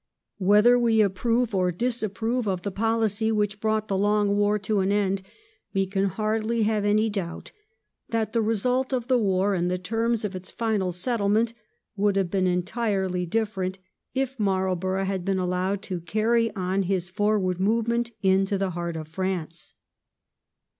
Whether we approve or disapprove of the pohcy which brought the long war to an end, we can hardly have any doubt that the result of the war and the terms of its final settlement would have been entirely different if Marlborough had been allowed to carry on his forward movement into the heart of France.